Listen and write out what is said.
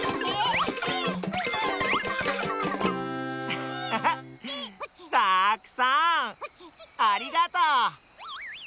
ハッハハたくさんありがとう。